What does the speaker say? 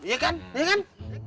iya kan iya kan